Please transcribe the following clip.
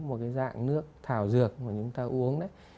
một cái dạng nước thảo dược mà chúng ta uống đấy